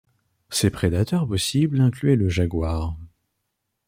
Ses prédateurs possibles incluaient le jaguar.